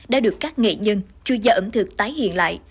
đã được các nghệ nhân chuyên gia ẩm thực tái hiện lại